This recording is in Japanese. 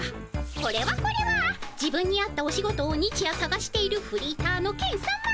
これはこれは自分に合ったお仕事を日夜さがしているフリーターのケンさま。